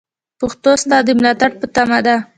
پښتو ستاسو د ملاتړ په تمه ده.